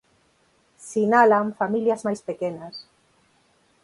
Sinalan familias máis pequenas.